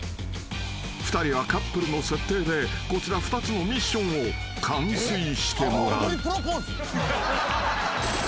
［２人はカップルの設定でこちら２つのミッションを完遂してもらう］